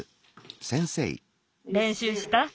れんしゅうした？